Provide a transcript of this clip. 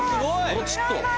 もうちっと。